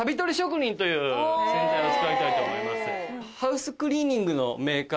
という洗剤を使いたいと思います。